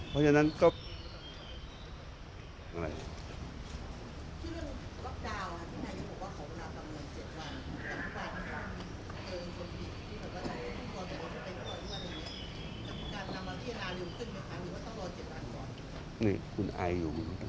เพราะฉะนั้นก็